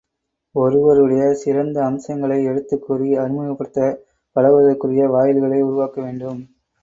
ஒருவருடைய சிறந்த அம்சங்களை எடுத்துக் கூறி அறிமுகப்படுத்தப் பழகுவதற்குரிய வாயில்களை உருவாக்கவேண்டும்.